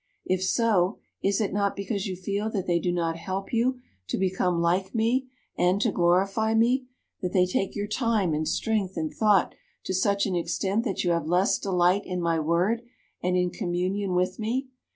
If so, is it not because you feel that they do not help you to become like me and to glorify me; that they take your time and strength and thought to such an extent that you have less delight in my Word and in communion with me?